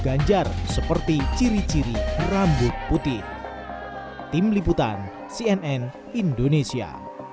ganjar seperti ciri ciri rambut putih tim liputan cnn indonesia